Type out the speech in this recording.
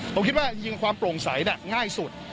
ผมคิดว่ายิงความโปร่งใสง่ายสุด